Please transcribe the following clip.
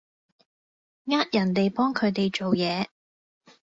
呃人哋幫佢哋做嘢